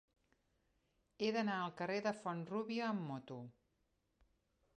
He d'anar al carrer de Font-rúbia amb moto.